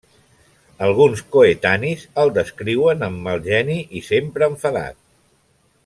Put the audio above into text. Alguns coetanis el descriuen amb mal geni i sempre enfadat.